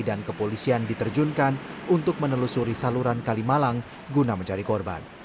dan kepolisian diterjunkan untuk menelusuri saluran kalimalang guna mencari korban